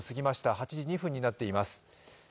８時２分になっています。